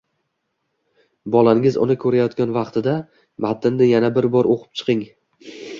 Bolangiz uni ko‘rayotgan vaqtida matnni yana bir bor o‘qib chiqing.